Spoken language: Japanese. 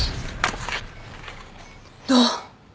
どう？